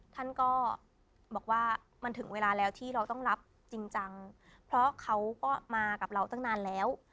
ท่านก็บอกว่ามันถึงเวลาแล้วที่เราต้องรับจริงจังเพราะเขาก็มากับเราตั้งนานแล้ว